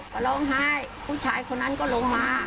ก็ร้องไห้ผู้ชายคนนั้นก็ลงมา